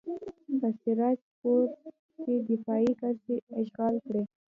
په سراج پور کې دفاعي کرښې اشغال کړئ.